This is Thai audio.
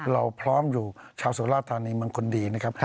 เราพร้อมอยู่ชาวสุราธานีบางคนดีนะครับ